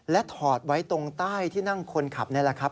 และถอดไว้ตรงใต้ที่นั่งคนขับนี่แหละครับ